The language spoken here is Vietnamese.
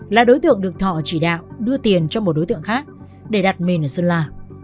là đối tượng được thọ chỉ đạo đưa tiền cho một đối tượng khác để đặt mình ở sơn la